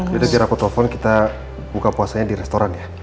jadi nanti aku telfon kita buka puasanya di restoran ya